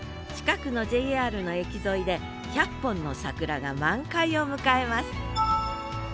近くのＪＲの駅沿いで１００本の桜が満開を迎えます。